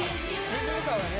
「リズム感はね」